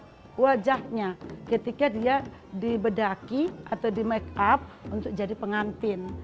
nah wajahnya ketika dia dibedaki atau di make up untuk jadi pengantin